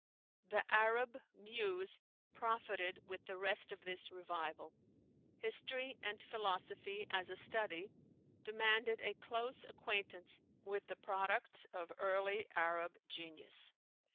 The Arab muse profited with the rest of this revival. History and philosophy, as a study, demanded a close acquaintance with the products of early Arab genius.